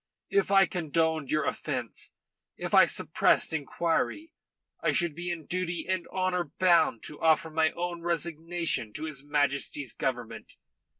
If I condoned your offence, if I suppressed inquiry, I should be in duty and honour bound to offer my own resignation to his Majesty's Government.